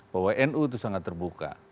bahwa nu itu sangat terbuka